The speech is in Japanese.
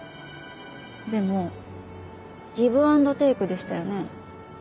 でもギブアンドテイクでしたよね？